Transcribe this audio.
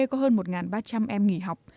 có hơn một ba trăm linh em nghỉ học